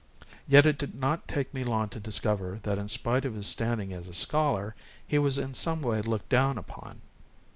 Yet it did not take me long to discover that, in spite of his standing as a scholar, he was in some way looked down upon.